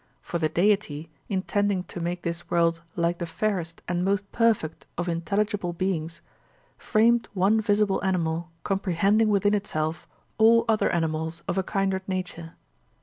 For the Deity, intending to make this world like the fairest and most perfect of intelligible beings, framed one visible animal comprehending within itself all other animals of a kindred nature.